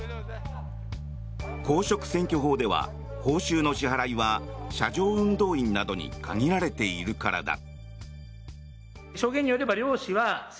公職選挙法では報酬の支払いは車上運動員などに限られているからだ。